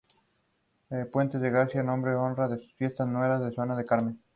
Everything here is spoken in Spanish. Una vez en Creta.